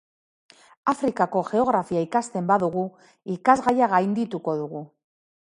Afrikako geografia ikasten badugu, ikasgaia gaindituko dugu.